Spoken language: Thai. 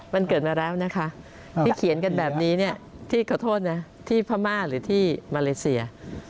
มันเกิดมาแล้วนะคะที่เขียนกันแบบนี้เนี่ยที่ขอโทษนะที่พม่าหรือที่มาเลเซีย